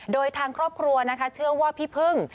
โดยทางครอบครัวนะคะเชื่อว่าพี่พึ่ง